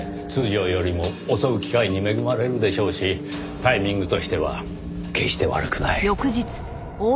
通常よりも襲う機会に恵まれるでしょうしタイミングとしては決して悪くない。